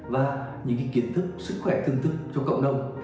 và những kiến thức sức khỏe thương thức cho cộng đồng